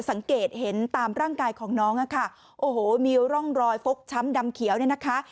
สังเกตเห็นตามร่างกายของน้องอะค่ะโอ้โหมีร่องรอยฟกช้ำดำเขียวเนี่ยนะคะ